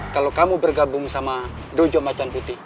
kalau kamu bergabung sama dojo macan putih